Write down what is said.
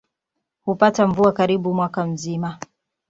Hupata mvua karibu mwaka mzima.